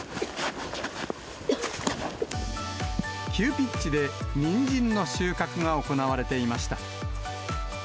急ピッチでにんじんの収穫が行われていました。